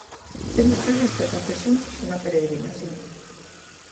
Temos previsto facer xuntos unha peregrinación.